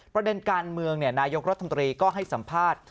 ประเด็นการเมืองนายกรัฐมนตรีก็ให้สัมภาษณ์